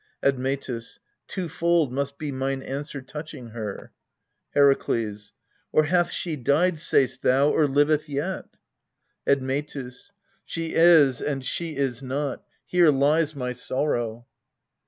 Admetus. Twofold must be mine answer touching her. Herakles. Or hath she died, sayst thou, or liveth yet? Admetus. She is and she is not: here lies my sorrow.